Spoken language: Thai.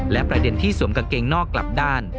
และประเด็นที่สวมกางเกงนอกกลับด้าน